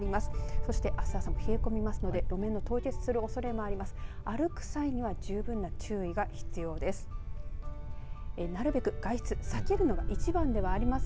そしてあす朝も冷え込みますので路面が凍結するおそれもあります。